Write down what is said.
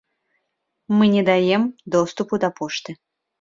Мы не даем доступу да пошты.